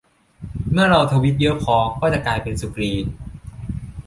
เมื่อเราทวีตเยอะพอ เราจะกลายเป็นสุกรี